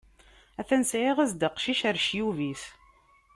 Atan sɛiɣ-as-d aqcic, ɣer ccyub-is!